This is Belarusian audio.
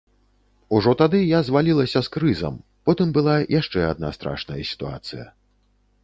Ужо тады я звалілася з крызам, потым была яшчэ адна страшная сітуацыя.